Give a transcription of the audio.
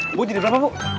eh bu jadi berapa bu